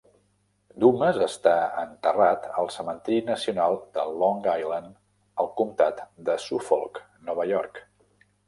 Dumas està enterrat al cementiri nacional de Long Island, al comtat de Suffolk, Nova York.